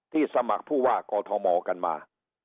สมัครผู้ว่ากอทมกันมา